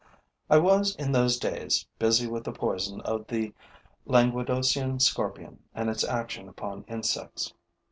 I was in those days busy with the poison of the Languedocian scorpion and its action upon insects.